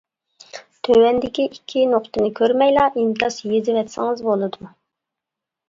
تۆۋەندىكى ئىككى نۇقتىنى كۆرمەيلا ئىنكاس يېزىۋەتسىڭىز بولىدۇ.